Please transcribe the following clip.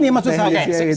tidak makanya begini